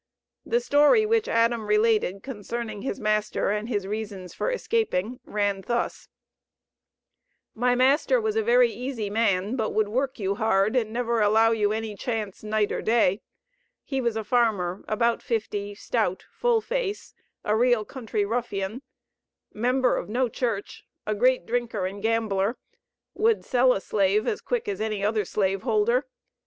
The story which Adam related concerning his master and his reasons for escaping ran thus: "My master was a very easy man, but would work you hard and never allow you any chance night or day; he was a farmer, about fifty, stout, full face, a real country ruffian; member of no church, a great drinker and gambler; will sell a slave as quick as any other slave holder.